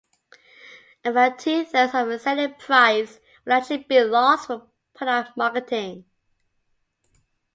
About two thirds of the selling price would actually be lost for product marketing.